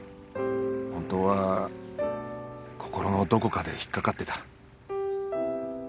本当は心のどこかで引っ掛かってた。